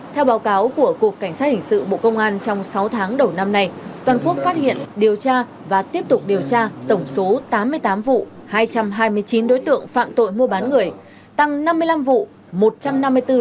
theo báo cáo của cục cảnh sát hình sự bộ công an trong sáu tháng đầu năm này toàn quốc phát hiện điều tra và tiếp tục điều tra tổng số tám mươi tám vụ hai trăm hai mươi chín đối tượng phạm tội mua bán người tăng năm mươi năm vụ một trăm năm mươi bốn đối tượng so với cùng kỳ năm trước